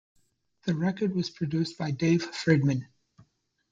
The record was produced by Dave Fridmann.